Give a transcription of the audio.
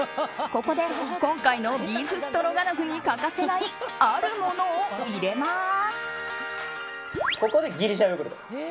ここで今回のビーフストロガノフに欠かせないあるものを入れます。